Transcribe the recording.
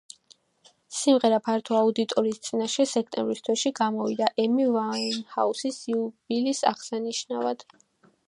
სიმღერა ფართო აუდიტორიის წინაშე სექტემბრის თვეში გამოვიდა, ემი ვაინჰაუსის იუბილის აღსანიშნავად.